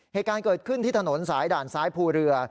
เหตุการณ์เกิดขึ้นที่ถนนสายด่านซ้ายภูเรือ